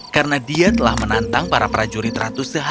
karena dia telah menantang para prajurit ratus sehari sebelumnya